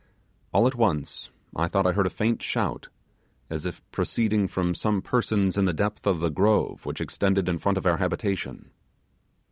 All at once I thought I heard a faint shout, as if proceeding from some persons in the depth of the grove which extended in front of our habitation.